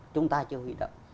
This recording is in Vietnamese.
chúng ta chưa huy động